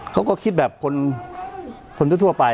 เขาก็คิดแบบคนทั่วไป